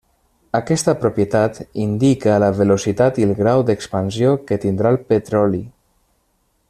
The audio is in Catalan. Aquesta propietat indica la velocitat i el grau d'expansió que tindrà el petroli.